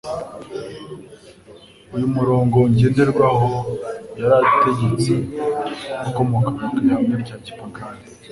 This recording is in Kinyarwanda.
Uyu murongo ngenderwaho yari ategetse, wakomokaga ku ihame rya gipagani.